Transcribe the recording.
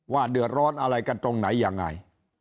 เดือดร้อนอะไรกันตรงไหนยังไง